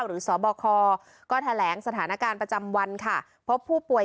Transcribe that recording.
สบคก็แถลงสถานการณ์ประจำวันค่ะพบผู้ป่วย